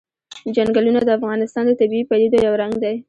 چنګلونه د افغانستان د طبیعي پدیدو یو رنګ دی.